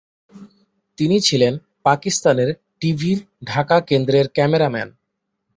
তিনি ছিলেন পাকিস্তান টিভির ঢাকা কেন্দ্রের ক্যামেরাম্যান।